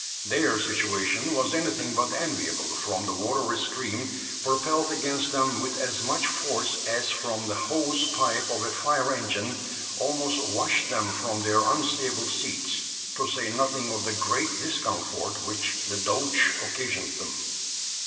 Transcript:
Their situation was anything but enviable; for the watery stream, propelled against them with as much force as from the hose pipe of a fire engine, almost washed them from their unstable seats; to say nothing of the great discomfort which the douche occasioned them.